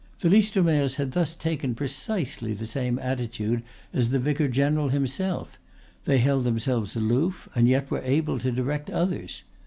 The Listomeres had thus taken precisely the same attitude as the vicar general himself; they held themselves aloof, and yet were able to direct others.